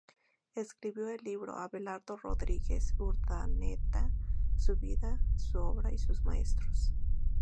Escribió el libro "Abelardo Rodríguez Urdaneta: su vida, su obra y sus maestros.